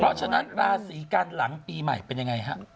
เพราะฉะนั้นราศีกันหลังปีใหม่เป็นยังไงฮะ